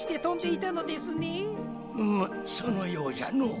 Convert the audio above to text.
うむそのようじゃのう。